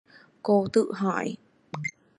Cô tự hỏi